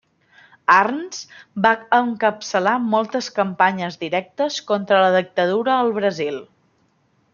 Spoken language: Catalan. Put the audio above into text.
Arns va encapçalar moltes campanyes directes contra la dictadura al Brasil.